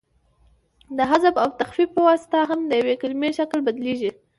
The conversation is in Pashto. د حذف او تخفیف په واسطه هم د یوې کلیمې شکل بدلیږي.